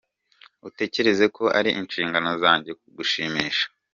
Utekereza ko ari inshingano zanjye kugushimisha?.